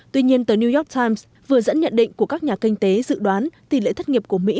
tuy nhiên tờ new york times vừa dẫn nhận định của các nhà kinh tế dự đoán tỷ lệ thất nghiệp của mỹ